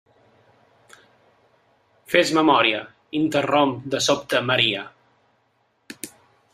Fes memòria —interromp de sobte Maria—.